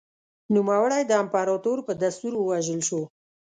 نوموړی د امپراتور په دستور ووژل شو